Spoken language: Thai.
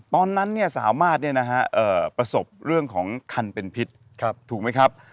ตอนนั้นสามารถประสบเรื่องของคันเป็นพิษถูกไหมครับ